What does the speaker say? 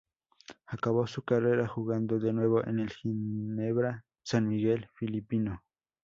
Acabó su carrera jugando de nuevo en el Ginebra San Miguel filipino.